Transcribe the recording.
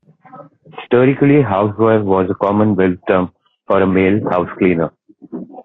Historically, houseboy was a Commonwealth term for a male housecleaner.